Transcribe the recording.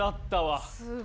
すごい。